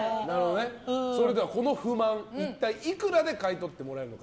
では、この不満一体いくらで買い取ってくれるのか？